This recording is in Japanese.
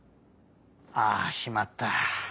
ああしまった！